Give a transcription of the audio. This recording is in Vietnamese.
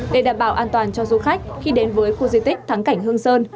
để đảm bảo an toàn cho du khách khi đến với khu di tích thắng cảnh hương sơn